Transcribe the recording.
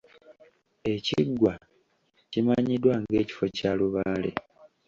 Ekiggwa kimanyiddwa ng'ekifo kya lubaale.